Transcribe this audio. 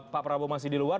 pak prabowo masih di luar